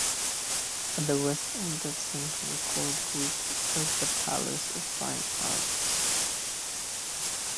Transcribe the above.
At the west end of central court group was the Palace of Fine Arts.